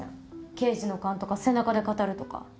刑事の勘とか背中で語るとか。